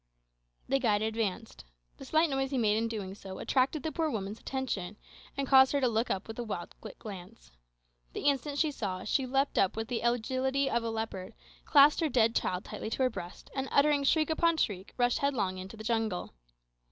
Our guide advanced. The slight noise he made in doing so attracted the poor woman's attention, and caused her to look up with a wild, quick glance. The instant she saw us she leaped up with the agility of a leopard, clasped her dead child tightly to her breast, and uttering shriek upon shriek, rushed headlong into the jungle.